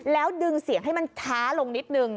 แล้วดึงเสียงให้มันช้าลงนิดนึง